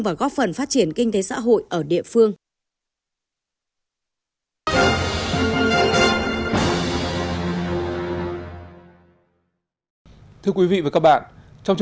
và góp phần phát triển kinh tế xã hội ở địa phương